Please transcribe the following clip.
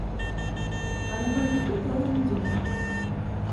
А на паравіку трое людзей.